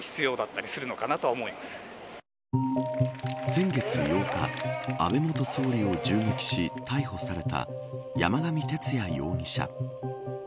先月８日安倍元総理を銃撃し逮捕された山上徹也容疑者。